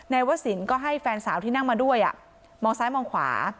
วสินก็ให้แฟนสาวที่นั่งมาด้วยมองซ้ายมองขวา